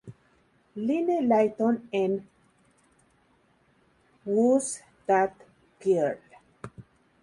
Lynne Layton, en "Who's That Girl?